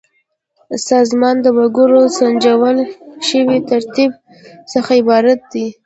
سازمان د وګړو له سنجول شوي ترتیب څخه عبارت دی.